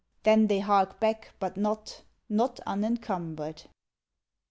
Then they hark back, but not — Not unencumbered.